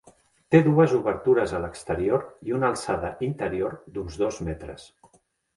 Té dues obertures a l'exterior i una alçada interior d'uns dos metres.